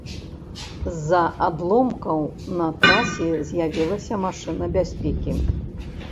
З-за адломкаў на трасе з'явілася машына бяспекі.